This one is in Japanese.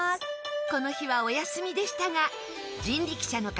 この日はお休みでしたが人力車の方